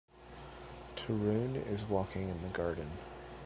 Tarun is walking in the garden.